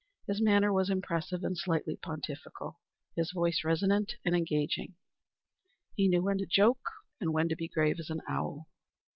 His manner was impressive and slightly pontificial; his voice resonant and engaging. He knew when to joke and when to be grave as an owl.